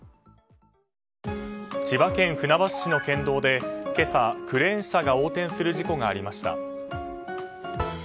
千葉県船橋市の県道で今朝、クレーン車が横転する事故がありました。